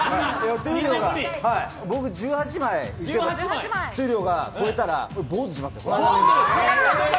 僕、１８枚、闘莉王が超えたら坊主にしますよ。